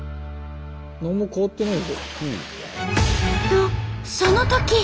何も変わってない。